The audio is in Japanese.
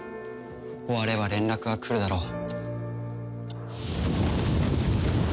終われば連絡は来るだろう。